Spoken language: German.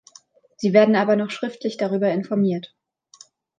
Sie werden aber noch schriftlich darüber informiert.